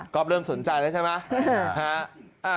ก็เริ่มสนใจแล้วใช่ไหม